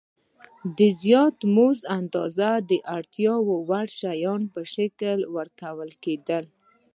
د مزد زیاته اندازه د اړتیا وړ شیانو په شکل ورکول کېده